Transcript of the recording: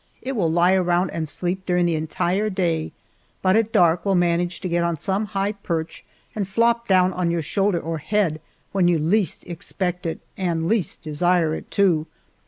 It will lie around and sleep during the entire day, but at dark will manage to get on some high perch and flop down on your shoulder or head when you least expect it and least desire it, too.